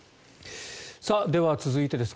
では、続いてです。